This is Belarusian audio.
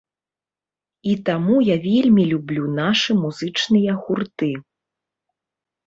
І таму я вельмі люблю нашы музычныя гурты.